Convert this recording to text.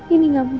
ini gak mudah